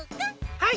はい。